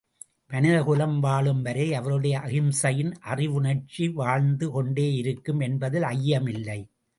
மனிதகுலம் வாழும் வரை அவருடைய அகிம்சையின் அறவுணர்ச்சி வாழ்ந்து கொண்டே இருக்கும் என்பதில் ஐயமில்லை.